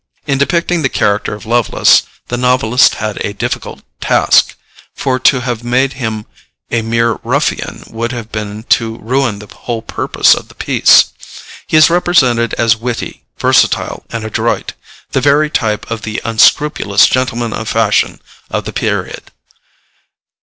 In depicting the character of Lovelace, the novelist had a difficult task, for to have made him a mere ruffian would have been to ruin the whole purpose of the piece. He is represented as witty, versatile, and adroit, the very type of the unscrupulous gentleman of fashion of the period.